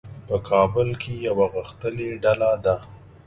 په کابل کې یوه غښتلې ډله ده.